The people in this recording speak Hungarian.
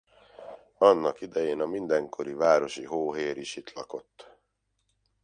Annak idején a mindenkori városi hóhér is itt lakott.